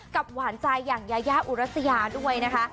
หวานใจอย่างยายาอุรัสยาด้วยนะคะ